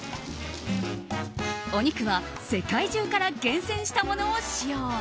お肉は世界中から厳選したものを使用。